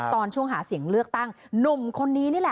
ตอนช่วงหาเสียงเลือกตั้งหนุ่มคนนี้นี่แหละ